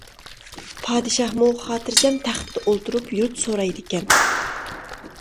پادىشاھمۇ خاتىرجەم تەختتە ئولتۇرۇپ، يۇرت سورايدىكەن.